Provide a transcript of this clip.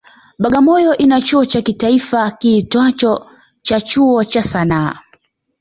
Bagamoyo ina chuo cha kitaifa kiitwacho cha Chuo cha sanaa